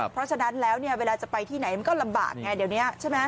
เพราะฉะนั้นแล้วเนี่ยเวลาจะไปที่ไหนมันก็ลำบากไงเดี๋ยวนี้ใช่ไหม